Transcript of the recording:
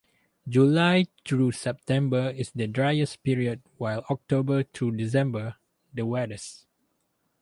July through September is the driest period while October through December - the wettest.